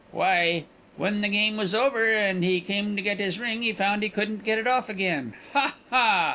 "Why, when the game was over, and he came to get his ring, he found he couldn't get it off again. Ha! ha!"